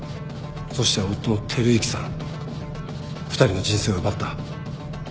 そして夫の輝幸さん２人の人生を奪った。